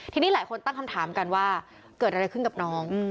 ทีนี้หลายคนตั้งคำถามกันว่าเกิดอะไรขึ้นกับน้อง